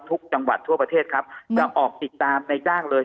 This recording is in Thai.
ทุกจังหวัดทั่วประเทศครับจะออกติดตามในจ้างเลย